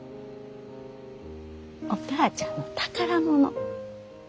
お母ちゃんの宝物。